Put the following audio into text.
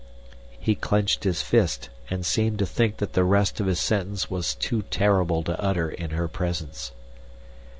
He clenched his fist and seemed to think that the rest of his sentence was too terrible to utter in her presence.